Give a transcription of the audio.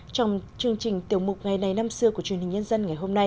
trong chương trình tiểu mục ngày này năm xưa của truyền hình nhân dân ngày hôm nay